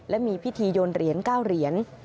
และมีพิธีโยนเหรียญ๙เหรียญ